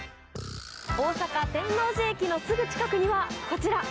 大阪・天王寺駅のすぐ近くには、こちら。